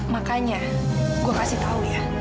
makanya gue kasih tau ya